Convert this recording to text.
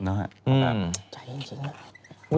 ใช่จริง